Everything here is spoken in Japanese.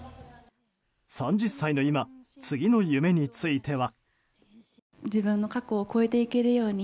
３０歳の今、次の夢については。